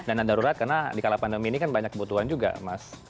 dana darurat karena di kala pandemi ini kan banyak kebutuhan juga mas